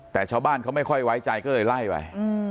แต่ชาวบ้านเขาไม่ค่อยไว้ใจก็เลยไล่ไป